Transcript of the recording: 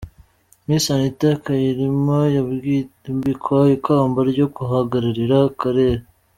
Miss Anita Kyarimpa yambikwa ikamba ryo guhagararira akarere.